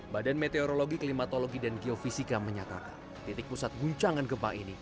badan meteorologi klimatologi dan geofisika menyatakan titik pusat guncangan gempa ini